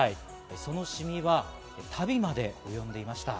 そのシミは足袋にまで及んでいました。